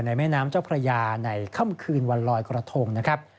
แม่น้ำเจ้าพระยาในค่ำคืนวันลอยกระทงนะครับ